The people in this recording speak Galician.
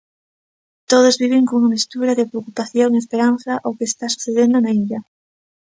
Todos viven cunha mestura de preocupación e esperanza o que está sucedendo na illa.